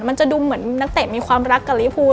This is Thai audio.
มันจะดูเหมือนนักเตะมีความรักกับลิฟู